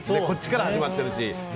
こっちからまた始まってるし。